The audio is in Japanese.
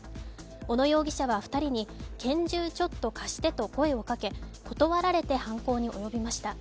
小野容疑者は２人に拳銃ちょっと貸してと声をかけ、断られて犯行に及びました。